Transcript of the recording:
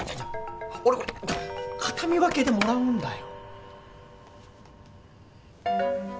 俺これ形見分けでもらうんだよ。